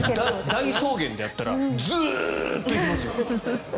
大草原でやったらずっと行きますよ。